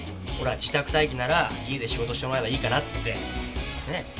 ほら自宅待機なら家で仕事してもらえばいいかなって。